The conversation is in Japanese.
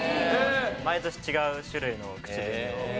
毎年違う種類の口紅を。